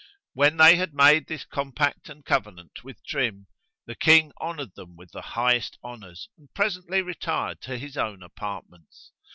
When they had made this compact and covenant with trim, the king honoured them with the highest honours and presently retired to his own apartments.